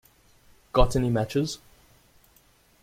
Got any matches?